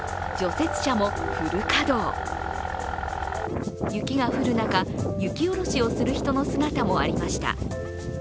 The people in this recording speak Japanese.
雪が降る中、雪下ろしをする人の姿もありました。